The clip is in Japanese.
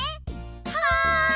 はい！